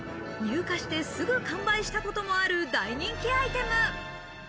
入荷して、すぐ完売したこともある大人気アイテム。